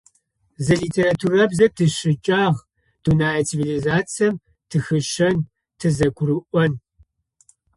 Зы литературабзэ тищыкӀагъ: дунэе цивилизацием тыхищэн; тызэгурыӏон.